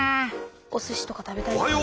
おすしとか食べたいですよね。